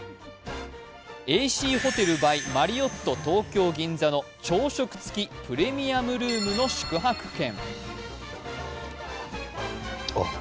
ＡＣホテル・バイ・マリオット東京銀座の朝食付きプレミアルームの宿泊券。